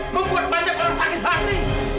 membuat banyak orang sakit hati